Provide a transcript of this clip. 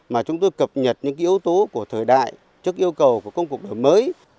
mà chúng tôi cập nhật những yếu tố của thời đại trước yêu cầu của công cuộc đổi mới